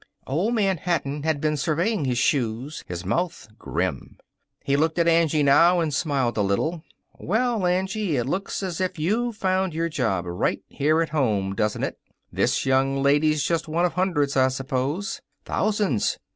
Old Man Hatton had been surveying his shoes, his mouth grim. He looked at Angie now and smiled a little. "Well, Angie, it looks as if you'd found your job right here at home, doesn't it? This young lady's just one of hundreds, I suppose. Thousands.